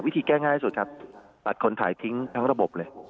แก้ง่ายที่สุดครับตัดคนถ่ายทิ้งทั้งระบบเลย